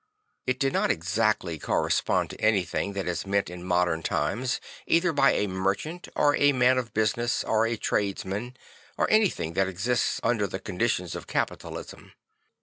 I t did not exactly correspond to anything that is meant in modem times either by a merchant or a man of business or a tradesman, or anything that exists under the conditions of capitalism.